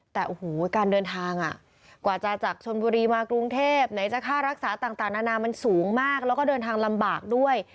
แต่โอ้โหการเดินทางกว่าจะจากชนบุรีมากรุงเทพไหนจะค่ารักษาต่างนานามันสูงมากแล้วก็เดินทางลำบากด้วย